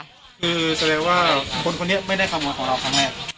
คือแสดงว่าคนคนนี้ไม่ได้ขโมยของเราครั้งแรก